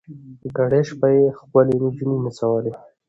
کرۍ شپه یې ښکلي نجوني نڅولې